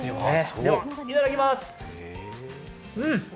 では、いただきます。